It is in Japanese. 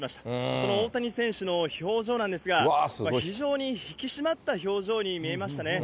その大谷選手の表情なんですが、非常に引き締まった表情に見えましたね。